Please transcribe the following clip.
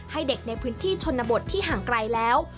ให้เด็กในพื้นที่ชนบทที่ห่างไกลแล้ว